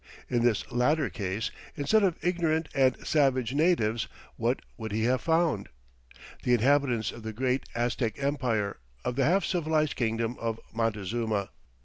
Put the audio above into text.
In this latter case, instead of ignorant and savage natives, what would he have found? The inhabitants of the great Aztec Empire, of the half civilized kingdom of Montezuma.